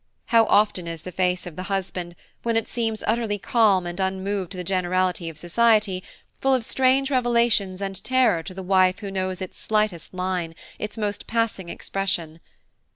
How often is the face of the husband, when it seems utterly calm and unmoved to the generality of society, full of strange revelations and terror to the wife who knows its slightest line, its most passing expression.